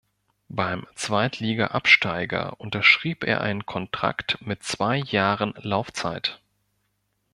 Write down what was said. Beim Zweitligaabsteiger unterschrieb er einen Kontrakt mit zwei Jahren Laufzeit.